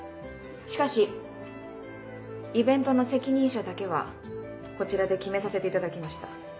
しかしイベントの責任者だけはこちらで決めさせていただきました。